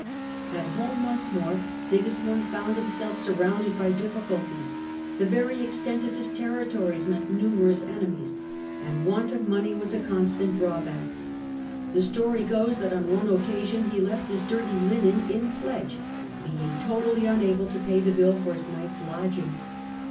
At home once more, Sigismund found himself sur rounded by difficulties ; the very extent of his territories meant numerous enemies and want of money was a con stant drawback. The story goes that on one occasion he left his dirty linen in pledge being totally unable to Character pay the bill for his night's lodging.